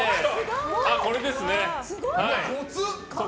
これですね。